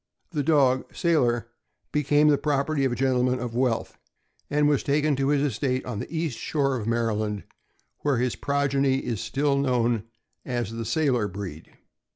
The dog, Sailor, became the property of a gentleman of wealth, and was taken to his estate on the east shore of Maryland, where his progeny is still known as the Sailor breed.